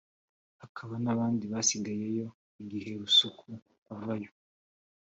hakaba n’ abandi basigayeyo igihe Rusuka avayo.